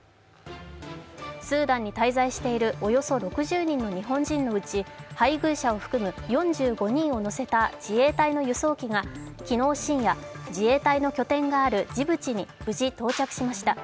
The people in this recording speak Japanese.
スーダンに滞在しているおよそ６０人の日本人のうち配偶者を含む４５人を乗せた自衛隊の輸送機が昨日深夜、自衛隊の拠点があるジブチに無事到着しました。